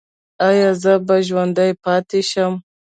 ایا زه به ژوندی پاتې شم؟